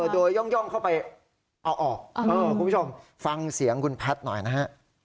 โดยย่องเข้าไปเอาออกคุณผู้ชมฟังเสียงคุณแพทย์หน่อยนะฮะ